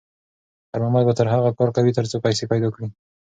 خیر محمد به تر هغو کار کوي تر څو پیسې پیدا کړي.